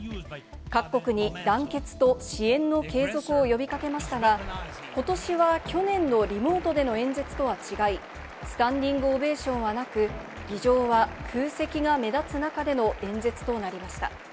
各国に団結と支援の継続を呼びかけましたが、ことしは去年のリモートでの演説とは違い、スタンディングオベーションはなく、議場は空席が目立つ中での演説となりました。